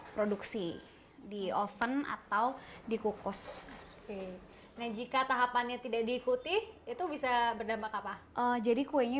produksi di oven atau dikukus oke nah jika tahapannya tidak diikuti itu bisa berdampak apa jadi kuenya